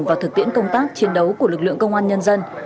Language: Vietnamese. vào thực tiễn công tác chiến đấu của lực lượng công an nhân dân